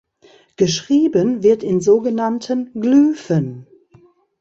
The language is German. Geschrieben wird in sogenannten „Glyphen“.